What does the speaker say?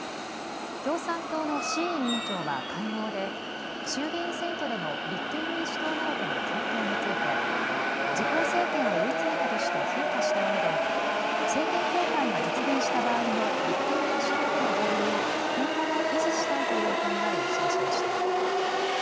共産党の志位委員長は会合で衆議院選挙での立憲民主党などとの共闘について自公政権を追い詰めたとして評価したうえで政権交代が実現した場合の立憲民主党との合意を今後も維持したいという考えを示しました。